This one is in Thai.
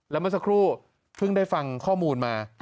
แล้วเมื่อสักครู่เพิ่งได้ฟังข้อมูลมา